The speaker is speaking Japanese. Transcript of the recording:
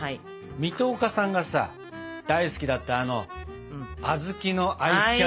水戸岡さんがさ大好きだったあのあずきのアイスキャンデー。